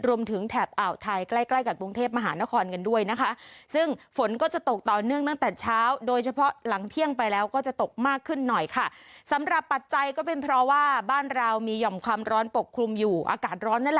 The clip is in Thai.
ความร้อนปกคลุมอยู่อากาศร้อนนั่นแหละค่ะ